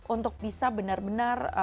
untuk bisa benar benar